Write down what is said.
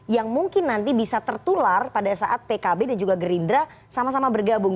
yang mungkin nanti bisa tertular pada saat pkb dan juga gerindra sama sama bergabung